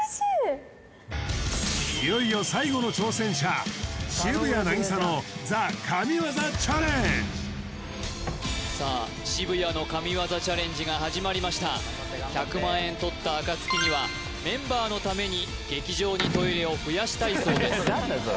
いよいよ最後の挑戦者さあ渋谷の神業チャレンジが始まりました１００万円とったあかつきにはメンバーのために劇場にトイレを増やしたいそうです